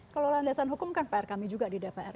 kalau landasan hukum kan pr kami juga di dpr